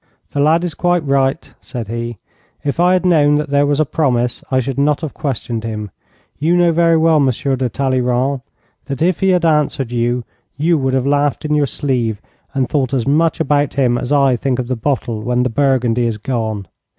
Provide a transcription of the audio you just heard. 'The lad is quite right,' said he. 'If I had known that there was a promise I should not have questioned him. You know very well, Monsieur de Talleyrand, that if he had answered you, you would have laughed in your sleeve and thought as much about him as I think of the bottle when the burgundy is gone.